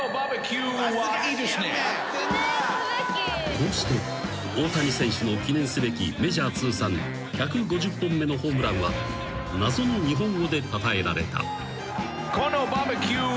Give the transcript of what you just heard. ［こうして大谷選手の記念すべきメジャー通算１５０本目のホームランは謎の日本語でたたえられた］